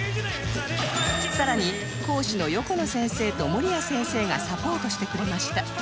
さらに講師の横野先生と森谷先生がサポートしてくれました